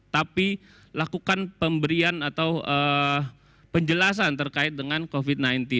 tapi lakukan pemberian atau penjelasan terkait dengan covid sembilan belas